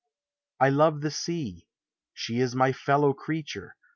I love the sea, — she is my fellow creature.